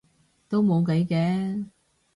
都冇計嘅